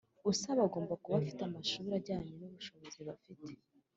Usaba agomba kuba afite amashuri ajyanye n ubushobozi bafite